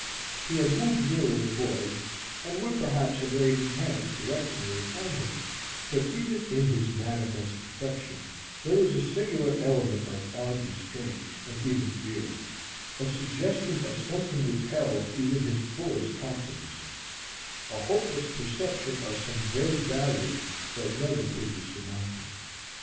He had moved nearer the boy, and would perhaps have laid his hand caressingly upon him, but even in his manifest affection there was a singular element of awed restraint and even fear, a suggestion of something withheld even his fullest confidences, a hopeless perception of some vague barrier that never could be surmounted.